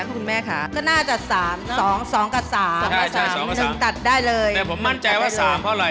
แต่ผมมั่นใจว่า๓เพราะอะไร